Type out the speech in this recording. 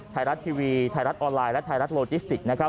ไทรรัฐทีวีไทรรัฐออนไลน์และไทรรัฐโลจิสติก